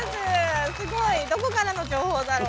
すごいどこからの情報だろう？